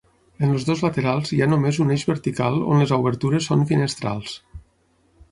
En els dos laterals hi ha només un eix vertical on les obertures són finestrals.